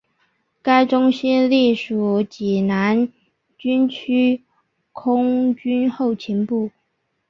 该中心隶属济南军区空军后勤部。